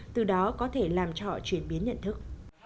từ đó có thể làm cho họ chuyển biến nhận thức